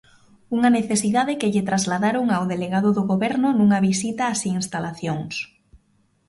Unha necesidade que lle trasladaron ao delegado do Goberno nunha visita ás instalacións.